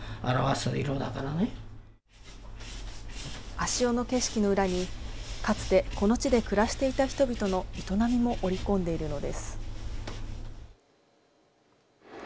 足尾の景色の裏に、かつてこの地で暮らしていた人々の営みも織り込んでいるのです。